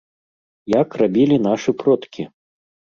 Як рабілі нашы продкі?